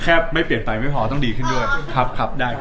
ไม่เปลี่ยนไปไม่พอต้องดีขึ้นด้วยครับได้ครับ